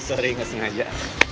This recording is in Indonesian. sorry gak sengaja